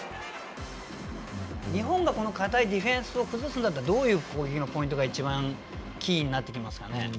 日本が堅いディフェンスを崩すならどういう攻撃のポイントが一番キーになってきますかね。